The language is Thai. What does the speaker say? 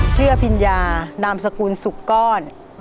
พิญญานามสกุลสุกก้อน